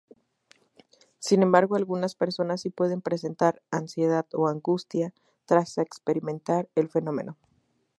Sin embargo algunas personas si pueden presentar ansiedad o angustia tras experimentar el fenómeno.